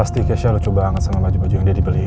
pasti keisha lu coba angkat sama baju baju yang daddy beliin